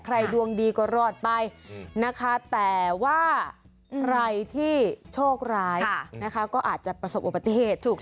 ใครดวงดีก็รอดไปแต่ว่าใครที่โชคร้ายก็อาจจะประสบอุบัติเหตุ